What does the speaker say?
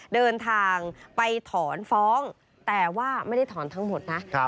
เดินทางไปถอนฟ้องแต่ว่าไม่ได้ถอนทั้งหมดนะ